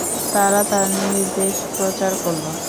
তারা তাঁর নির্দেশ প্রচার করল।